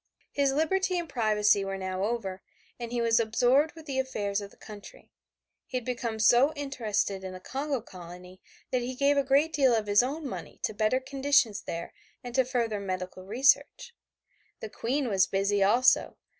His liberty and privacy were now over, and he was absorbed with the affairs of his country. He had become so interested in the Congo colony that he gave a great deal of his own money to better conditions there and to further medical research. The Queen was busy also.